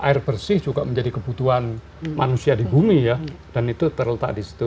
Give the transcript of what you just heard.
air bersih juga menjadi kebutuhan manusia di bumi ya dan itu terletak di situ